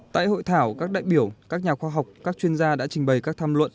tại hội thảo các đại biểu các nhà khoa học các chuyên gia đã trình bày các tham luận